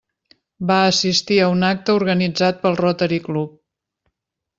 Va assistir a un acte organitzat pel Rotary Club.